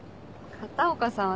片岡さん